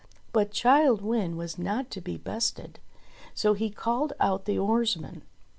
But Childe Wynde was not to be bested ; so he called out the oarsmen.